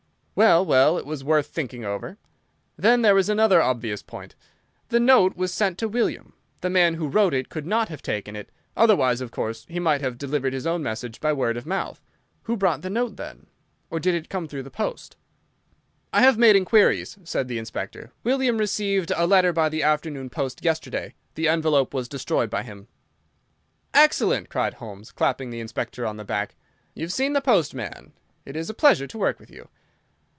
"Well, well, it was worth thinking over. Then there is another obvious point. The note was sent to William. The man who wrote it could not have taken it; otherwise, of course, he might have delivered his own message by word of mouth. Who brought the note, then? Or did it come through the post?" "I have made inquiries," said the Inspector. "William received a letter by the afternoon post yesterday. The envelope was destroyed by him." "Excellent!" cried Holmes, clapping the Inspector on the back. "You've seen the postman. It is a pleasure to work with you.